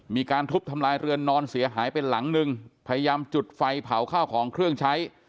มีการทุบทำลายเรือนนอนเสียหายเป็นหลังหนึ่งพยายามจุดไฟเผาข้าวของเครื่องใช้